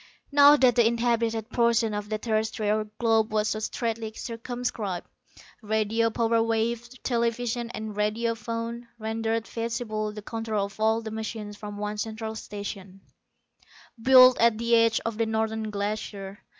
Now that the inhabited portion of the terrestrial globe was so straitly circumscribed, radio power waves, television and radio phone, rendered feasible the control of all the machines from one central station, built at the edge of the Northern Glacier.